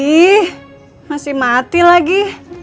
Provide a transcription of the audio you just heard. ih masih mati lagi